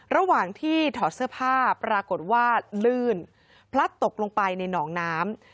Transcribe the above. ระหว่างที่ถอดเสื้อผ้าปรากฏว่าลื่นพลัดตกลงไปในหนองน้ำ